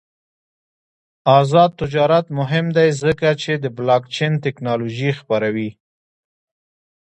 آزاد تجارت مهم دی ځکه چې بلاکچین تکنالوژي خپروي.